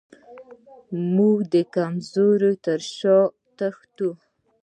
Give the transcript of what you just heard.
موږ د کمزورو تر شا وتښتو.